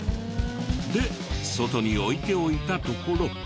で外に置いておいたところ